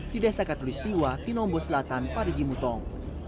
di desa katulistiwa tinombo selatan parigi mutong